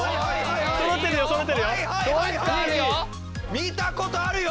見たことあるよ！